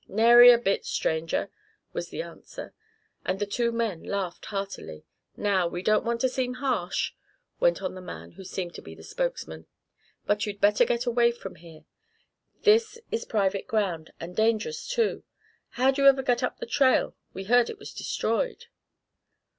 "Nary a bit, strangers," was the answer, and the two men laughed heartily. "Now, we don't want to seem harsh," went on the man who seemed to be the spokesman, "but you'd better get away from here. This is private ground, and dangerous too how'd you ever get up the trail we heard it was destroyed."